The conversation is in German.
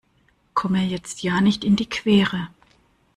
Komm mir jetzt ja nicht in die Quere!